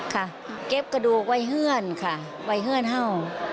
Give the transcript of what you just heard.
เก็บกระดูกไว้เฮื่อนค่ะไว้เฮื่อนเห่า